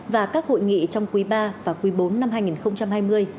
và các hội nghị trong quý ba và quý bốn năm hai nghìn hai mươi